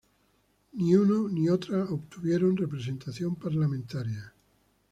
Ni uno ni otra obtuvieron representación parlamentaria.